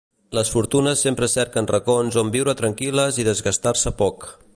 Les fortunes sempre cerquen racons on viure tranquil·les i desgastar-se poc.